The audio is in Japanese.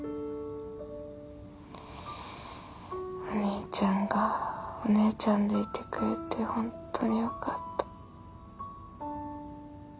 お姉ちゃんがお姉ちゃんでいてくれてホントによかった。